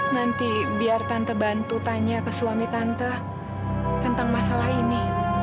nanti biar tante tanya ke suami tante tentang masalah ini